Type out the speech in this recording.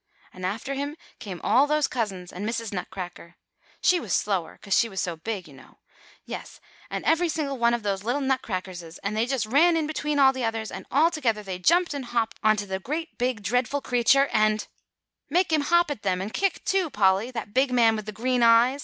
"And after him came all those cousins and Mrs. Nutcracker. She was slower, 'cause she was so big, you know; yes, and every single one of those little Nutcrackerses; they just ran in between all the others, and all together they jumped and hopped onto the great big dreadful creature, and" "Make him hop at them, and kick, too, Polly, that big man with the green eyes!"